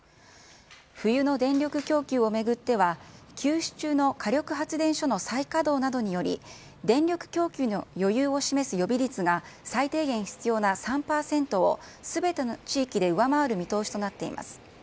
冬の電力供給を巡っては、休止中の火力発電所の再稼働などにより、電力供給の余裕を示す予備率が最低限必要な３％をすべての地域で上回る見通しとなっています。